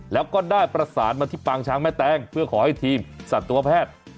แล้วก็ได้ประสานมาที่ปางช้างแม่แตงเพื่อขอให้ทีมสัตวแพทย์